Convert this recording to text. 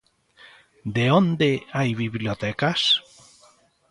De onde hai bibliotecas?